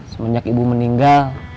semenjak ibu meninggal